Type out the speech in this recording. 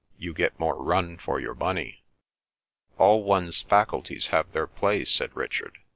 "You get more run for your money." "All one's faculties have their play," said Richard.